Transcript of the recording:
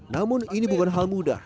namun ini bukan hal mudah